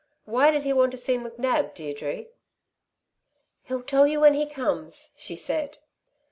"Why did he want to see McNab, Deirdre?" "He'll tell you when he comes," she said.